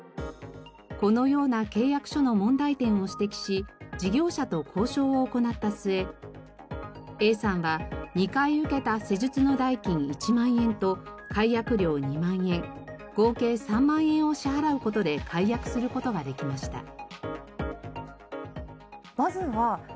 このような契約書の問題点を指摘し事業者と交渉を行った末Ａさんは２回受けた施術の代金１万円と解約料２万円合計３万円を支払う事で解約する事ができました。